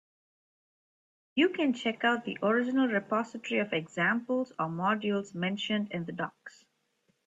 You can check out the original repository of examples or modules mentioned in the docs.